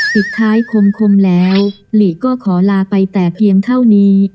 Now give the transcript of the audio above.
ปิดท้ายคมแล้วหลีก็ขอลาไปแต่เพียงเท่านี้